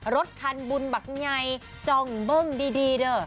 รถคันบุญบักไงจองเบิ้งดีเด้อ